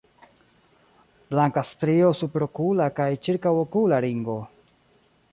Blanka strio superokula kaj ĉirkaŭokula ringo.